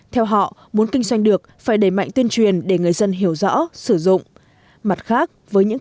theo họ muốn kinh doanh được phải đẩy mạnh tuyên truyền để người dân hiểu rõ sử dụng